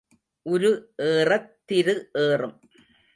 உரு ஏறத் திரு ஏறும்.